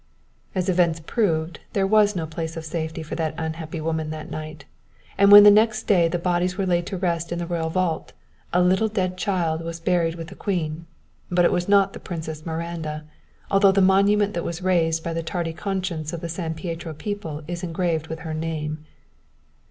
"As events proved, there was no place of safety for that unhappy woman that night, and when the next day the bodies were laid to rest in the royal vault, a little dead child was buried with the queen, but it was not the Princess Miranda, although the monument that was raised by the tardy conscience of the San Pietro people is engraved with her name.